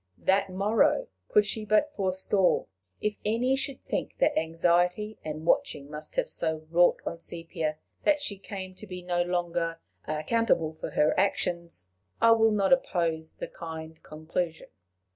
That morrow could she but forestall! If any should think that anxiety and watching must have so wrought on Sepia that she came to be no longer accountable for her actions, I will not oppose the kind conclusion.